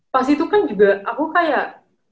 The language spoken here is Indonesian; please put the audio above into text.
pas itu kan juga aku kayak